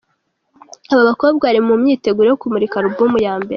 Aba bakobwa bari mu myiteguro yo kumurika album ya mbere.